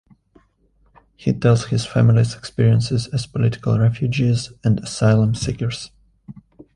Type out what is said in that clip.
He tells his family's experiences as political refugees and asylum seekers.